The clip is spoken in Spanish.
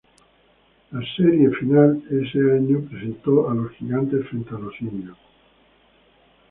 La Serie Final ese año presentó a los Gigantes frente a los Indios.